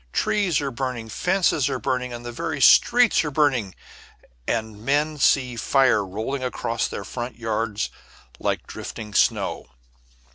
Trees are burning, fences are burning, the very streets are burning, and men see fire rolling across their front yards like drifting snow.